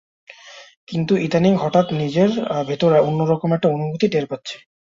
কিন্তু ইদানীং হঠাৎ হঠাৎ নিজের ভেতর অন্য রকম একটা অনুভূতি টের পাচ্ছি।